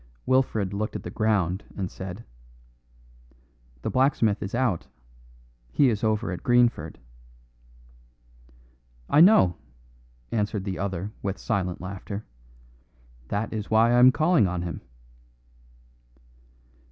Wilfred looked at the ground, and said: "The blacksmith is out. He is over at Greenford." "I know," answered the other with silent laughter; "that is why I am calling on him."